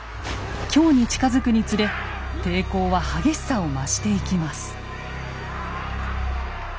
京に近づくにつれ抵抗は激しさを増していきます。